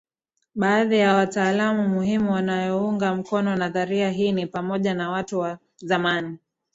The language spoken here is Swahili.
Baadhi ya wataalamu muhimu wanaoiunga mkono nadharia hii ni pamoja na watu wa zamani